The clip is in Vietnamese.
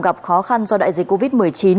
gặp khó khăn do đại dịch covid một mươi chín